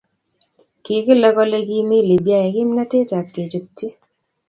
Kikile kole kimi Libyaek kimnatet ab kechyutyi.